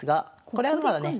これはまだね。